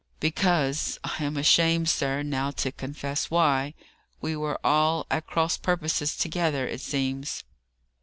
"Because I am ashamed, sir, now to confess why. We were all at cross purposes together, it seems."